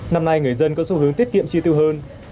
năm nay người dân có xu hướng tiết kiệm chi tiêu hơn